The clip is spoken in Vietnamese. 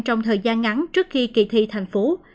trong thời gian ngắn trước khi kỳ thi thành phố